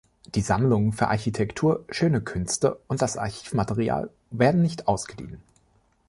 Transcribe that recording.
Die Sammlungen für Architektur, Schöne Künste und das Archivmaterial werden nicht ausgeliehen.